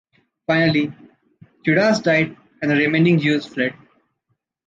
Finally, Judas died and the remaining Jews fled.